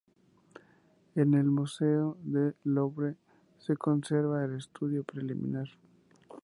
En el Museo del Louvre se conserva un estudio preliminar.